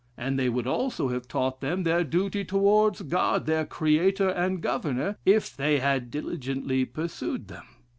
And they would also have taught them their duty towards God, their Creator and Governor, if they had diligently pursued them.